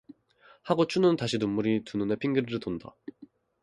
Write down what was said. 하고 춘우는 다시 눈물이 두 눈에 핑그르르 돈다.